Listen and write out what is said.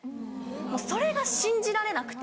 もうそれが信じられなくて。